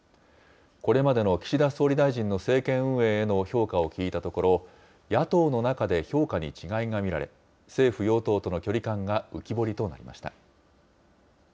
これまでの岸田総理大臣の政権運営への評価を聞いたところ、野党の中で評価に違いが見られ、政府・与党との距離感が浮き彫り